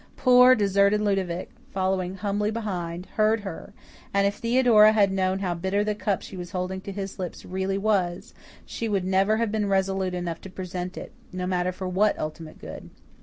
Poor, deserted Ludovic, following humbly behind, heard her, and if Theodora had known how bitter the cup she was holding to his lips really was, she would never have been resolute enough to present it, no matter for what ultimate good.